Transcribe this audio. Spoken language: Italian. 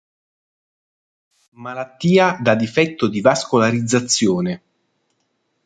Malattia da difetto di vascolarizzazione.